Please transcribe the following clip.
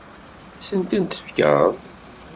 Ad asen-tent-tefkeḍ?